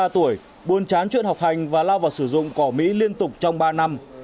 ba mươi ba tuổi buôn chán chuyện học hành và lao vào sử dụng cỏ mỹ liên tục trong ba năm